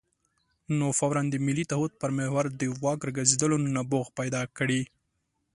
نو فوراً د ملي تعهد پر محور د واک راګرځېدلو نبوغ پیدا کړي.